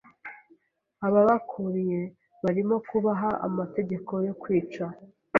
ababakuriye barimo kubaha amategeko yo kwica